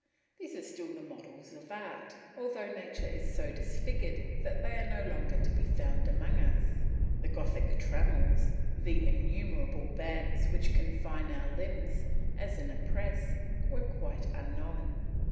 These are still the models of art, although nature is so disfigured that they are no longer to be found among us. The Gothic trammels, the innumerable bands which confine our limbs as in a press, were quite unknown.